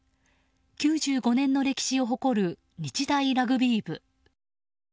９５年の歴史を誇る日大ラグビー部。